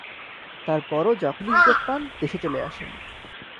তারপরও যখনই সুযোগ পান, দেশে চলে আসেন।